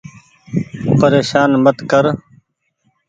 پريشان مت ڪر ۔